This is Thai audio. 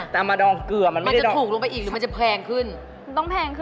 มันจะถูกลงไปอีกหรือมันจะแพงขึ้น